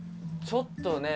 「ちょっとね」